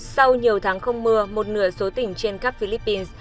sau nhiều tháng không mưa một nửa số tỉnh trên khắp philippines